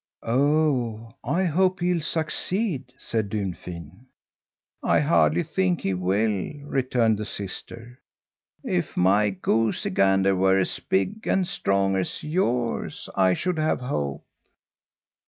"Oh, I hope he'll succeed!" said Dunfin. "I hardly think he will," returned the sister. "If my goosey gander were as big and strong as yours, I should have hope."